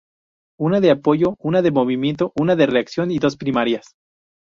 Una de apoyo, una de movimiento, una de reacción y dos primarias.